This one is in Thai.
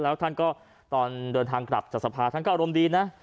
แล้วท่านก็ตอนเดินทางกลับจากสภาท่านก็อารมณ์ดีนะ